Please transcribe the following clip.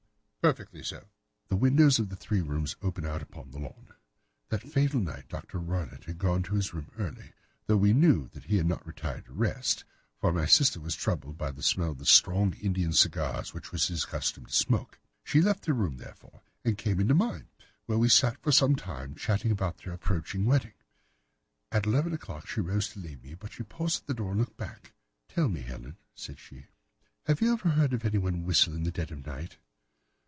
"Perfectly so." "The windows of the three rooms open out upon the lawn. That fatal night Dr. Roylott had gone to his room early, though we knew that he had not retired to rest, for my sister was troubled by the smell of the strong Indian cigars which it was his custom to smoke. She left her room, therefore, and came into mine, where she sat for some time, chatting about her approaching wedding. At eleven o'clock she rose to leave me, but she paused at the door and looked back. "'Tell me, Helen,' said she, 'have you ever heard anyone whistle in the dead of the night?